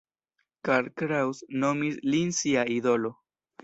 Karl Kraus nomis lin sia idolo.